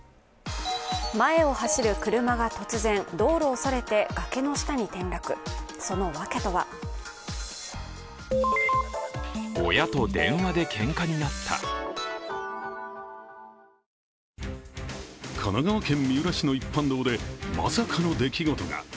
前を走る車が突然道路をそれて崖に転落、その訳とは神奈川県三浦市の一般道でまさかの出来事が。